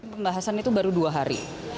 pembahasan itu baru dua hari